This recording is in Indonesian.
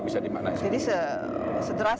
bisa dimanahi jadi sederasi